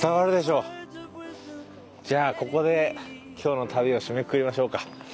じゃあここで今日の旅を締めくくりましょうか。